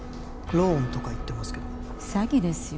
ローンとか言ってますけど詐欺ですよ